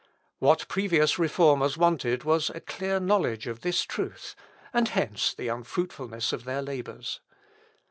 What previous reformers wanted was a clear knowledge of this truth; and hence the unfruitfulness of their labours.